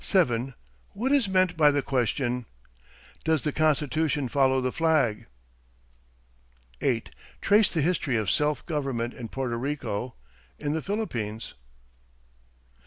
7. What is meant by the question: "Does the Constitution follow the flag?" 8. Trace the history of self government in Porto Rico. In the Philippines.